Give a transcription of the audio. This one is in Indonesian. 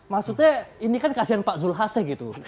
maksudnya ini kan kasihan pak zulhasnya gitu